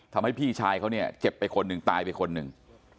พี่ชายเขาเนี่ยเจ็บไปคนหนึ่งตายไปคนหนึ่ง